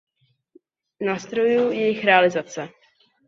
Nástrojů jejich realizace.